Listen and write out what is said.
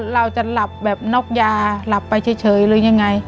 เราจะหลับแบบน็อกยาหลับไปเฉยหรือยังไง